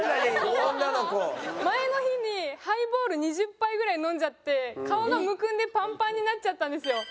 前の日にハイボール２０杯ぐらい飲んじゃって顔がむくんでパンパンになっちゃったんですよ。